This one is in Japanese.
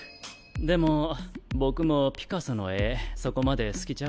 でも僕もピカソの絵そこまで好きちゃうで。